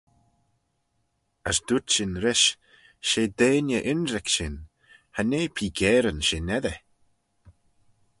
As dooyrt shin rish, She deiney ynrick shin, cha nee peeikearyn shin eddyr.